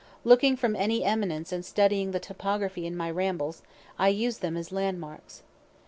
Looking from any eminence and studying the topography in my rambles, I use them as landmarks.